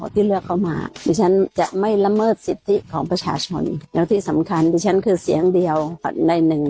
แต่ว่าปี๖๒ผมอาจจะมีเหตุผลพิเศษอยู่